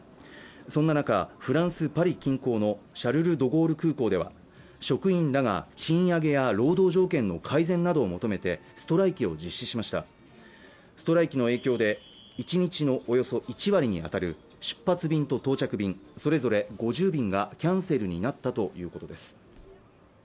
そんな中フランスパリ近郊のシャルル・ド・ゴール空港では職員らが賃上げや労働条件の改善などを求めてストライキを実施しましたストライキの影響で１日のおよそ１割にあたる出発便と到着便それぞれ５０便がキャンセルになったということです